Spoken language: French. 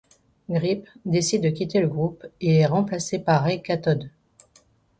Grip décide de quitter le groupe et est remplacé par Ray Cathode.